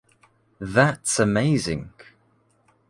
That’s amazing.